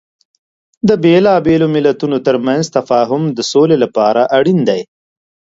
د بیلابیلو مليتونو ترمنځ تفاهم د سولې لپاره اړین دی.